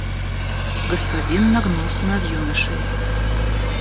Господин нагнулся над юношей.